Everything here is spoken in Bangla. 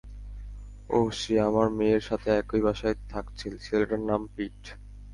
ওহ, সে আমার মেয়ের সাথে একই বাসায় থাকছে, ছেলেটার নাম পিট!